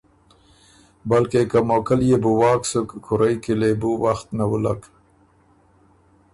بلکې که موقعه ليې بو واک سُک کُورئ کی لې بو وخت نوُلّک۔